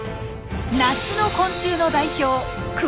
夏の昆虫の代表